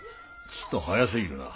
ちと早すぎるな。